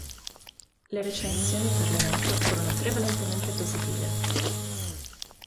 Le recensioni per l'evento furono prevalentemente positive.